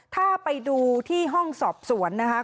ถ้าไปดูที่ห้องสอบสวนนะคะ